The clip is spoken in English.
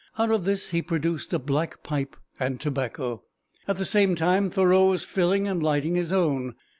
Out of this he produced a black pipe and tobacco. At the same time Thoreau was filling and lighting his own.